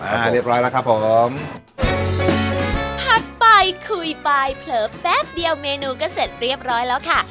เรียบร้อยแล้วครับผมผัดไปคุยไปเผลอแป๊บเดียวเมนูก็เสร็จเรียบร้อยแล้วค่ะ